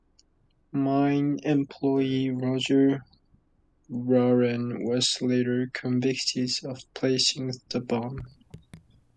Mine employee Roger Warren was later convicted of placing the bomb.